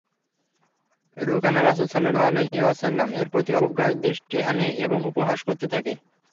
রুকানা রাসূল সাল্লাল্লাহু আলাইহি ওয়াসাল্লাম-এর প্রতি অবজ্ঞার দৃষ্টি হানে এবং উপহাস করতে থাকে।